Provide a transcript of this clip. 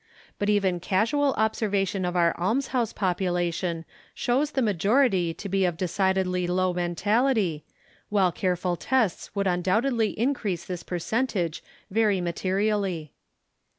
But even casual observation of our almshouse population shows the majority to be of decidedly low mentality, while care ful tests would undoubtedly increase this percentage very materially.